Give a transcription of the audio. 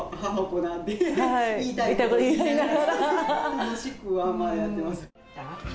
楽しくはまあやってます。